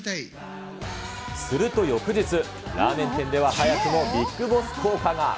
すると翌日、ラーメン店では早くもビッグボス効果が。